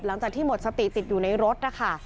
หลังจากที่หมดสติติดอยู่ในรถนะคะ